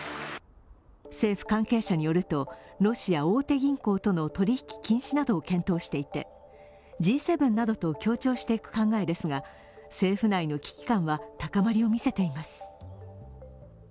政府関係者によると、ロシア大手銀行との取引禁止などを検討していてＧ７などと協調していく考えですが、政府内の危機感は高まりを見せています。